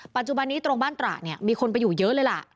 ปัจจุบันนี้ตรงบ้านตระเนี่ยมีคนไปอยู่เยอะเลยล่ะ